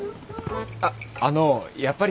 あっあのうやっぱり。